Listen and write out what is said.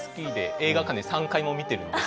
映画館で３回も見てるんです。